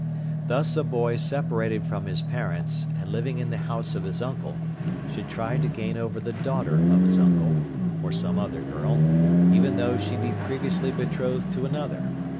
Thus a boy separated from his parents, and living in the house of his uncle, should try to gain over the daughter of his uncle, or some other girl, even though she be previously betrothed to another.